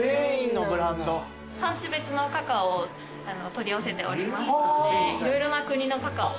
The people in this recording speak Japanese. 産地別のカカオを取り寄せておりますので色々な国のカカオを。